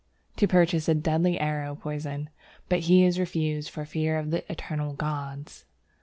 to purchase a deadly arrow poison, but he is refused for fear of the eternal gods.